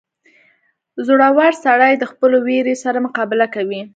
• زړور سړی د خپلو وېرې سره مقابله کوي.